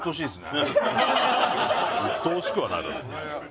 うっとうしくはないだろ。